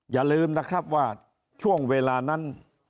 อย่าลืมนะครับว่าช่วงเวลานั้น